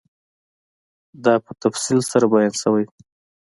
دا په تفصیل سره بیان شوی دی